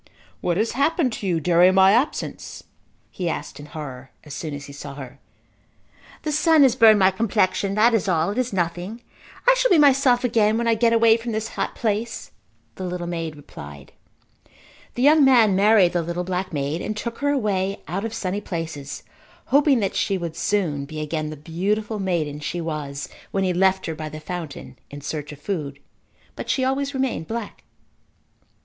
"What has happened to you during my absence" he asked in horror as soon as he saw her. "The sun has burned my complexion. That is all. It is nothing. I shall be myself again when I get away from this hot place," the little maid replied. The young man married the little black maid and took her away out of sunny places hoping that she would soon be again the beautiful maiden she was when he left her by the fountain in search of food. But she always remained black.